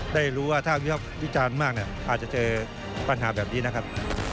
ได้รู้ว่าถ้าวิภาควิจารณ์มากอาจจะเจอปัญหาแบบนี้นะครับ